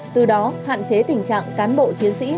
từ đó hạn chế tình trạng cán bộ chiến sĩ